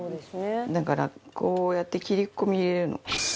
だからこうやって、切り込み入れるの。